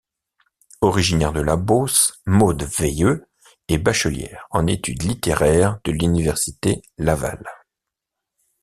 Originaire de la Beauce, Maude Veilleux est bachelière en études littéraires de l'Université Laval.